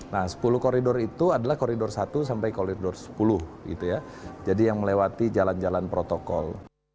nah sepuluh koridor itu adalah koridor satu sampai koridor sepuluh gitu ya jadi yang melewati jalan jalan protokol